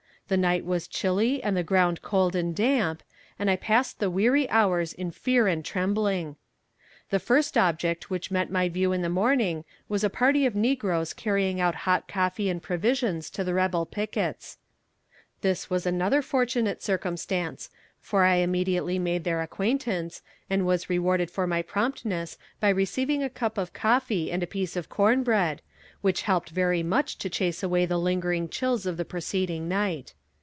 The night was chilly and the ground cold and damp, and I passed the weary hours in fear and trembling. The first object which met my view in the morning was a party of negroes carrying out hot coffee and provisions to the rebel pickets. This was another fortunate circumstance, for I immediately made their acquaintance, and was rewarded for my promptness by receiving a cup of coffee and a piece of corn bread, which helped very much to chase away the lingering chills of the preceding night.